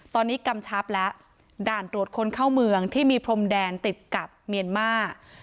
ตอนนี้กำชับแล้วด่านตรวจคนเข้าเมืองที่มีพรมแดนติดกับเมียนมาร์